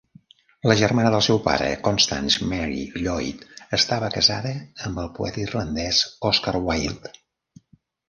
La germana del seu pare, Constance Mary Lloyd, estava casada amb el poeta irlandès Oscar Wilde.